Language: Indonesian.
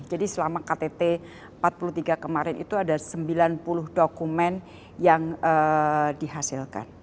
jadi selama ktt ke empat puluh tiga kemarin itu ada sembilan puluh dokumen yang dihasilkan